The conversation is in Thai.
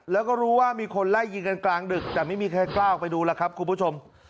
แล้วก็รู้ว่ามีคนไล่ยิงกันกลางดึกแต่ไม่มีใครกล้าออกไปดูแล้วครับคุณผู้ชม